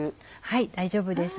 はい大丈夫です。